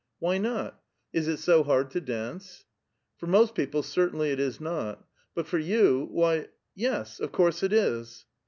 " Why not? Is it so hard to dance? "" For most peojle certainly it is not ; but for you, wh^ — yes — of course it is."